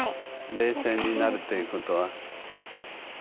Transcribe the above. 冷静になるっていうことは。